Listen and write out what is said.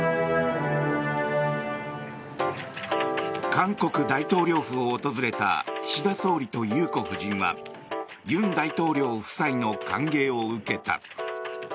韓国大統領府を訪れた岸田総理と裕子夫人は尹大統領夫妻の歓迎を受けた。